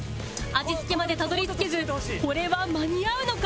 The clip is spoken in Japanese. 味付けまでたどり着けずこれは間に合うのか？